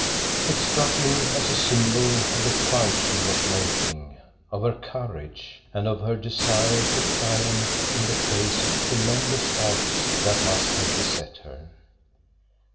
It struck him as a symbol of the fight she was making, of her courage, and of her desire to triumph in the face of tremendous odds that must have beset her.